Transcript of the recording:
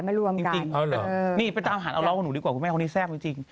แต่ตีกันบ้างเดี๋ยวก็มารักกัน